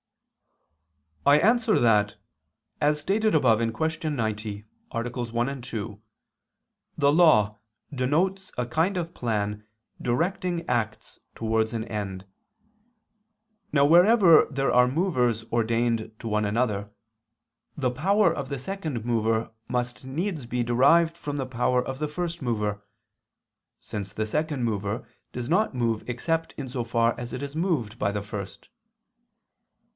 I answer that, As stated above (Q. 90, AA. 1, 2), the law denotes a kind of plan directing acts towards an end. Now wherever there are movers ordained to one another, the power of the second mover must needs be derived from the power of the first mover; since the second mover does not move except in so far as it is moved by the first.